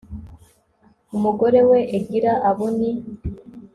umugore we Egila Abo ni